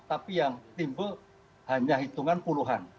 tapi yang timbul hanya hitungan puluhan